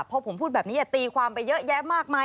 พอผมพูดแบบนี้อย่าตีความไปเยอะแยะมากมาย